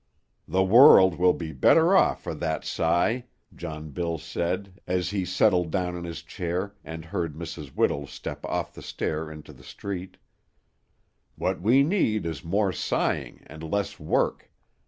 "The world will be better off for that sigh," John Bill said, as he settled down in his chair, and heard Mrs. Whittle step off the stair into the street. "What we need is more sighing and less work.